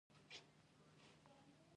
د میرمنو کار د ماشومانو واکسین مرسته کوي.